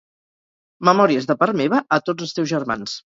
Memòries de part meva a tots els teus germans.